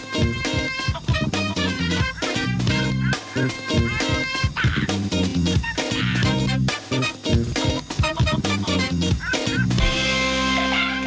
โปรดติดตามตอนต่อไป